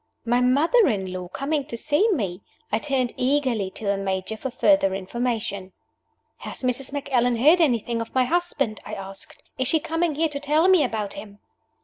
My mother in law coming to see me! I turned eagerly to the Major for further information. "Has Mrs. Macallan heard anything of my husband?" I asked. "Is she coming here to tell me about him?"